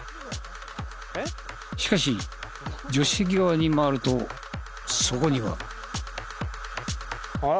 しかし助手席側に回るとそこには。